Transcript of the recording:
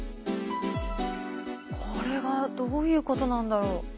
これがどういうことなんだろう？